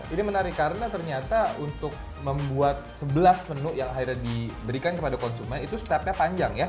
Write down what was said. ini menarik karena ternyata untuk membuat sebelas menu yang akhirnya diberikan kepada konsumen itu stepnya panjang ya